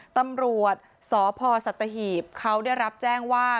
ตำรวจสพสัตหีบเขาได้รับแจ้งว่า